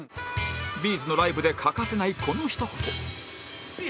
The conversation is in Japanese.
Ｂ’ｚ のライブで欠かせないこのひと言